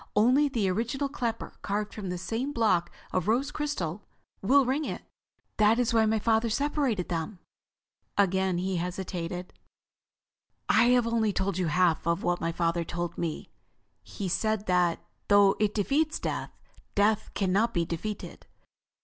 Only the original clapper, carved from the same block of rose crystal, will ring it. That is why my father separated them." Again he hesitated. "I have told you only half of what my father told me. He said that, though it defeats death, Death can not be defeated.